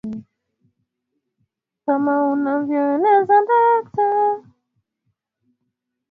kama anavyoeleza dokta sengondo mvungi